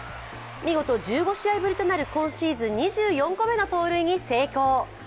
見事１５試合ぶりとなる今シーズン２４個目の盗塁に成功。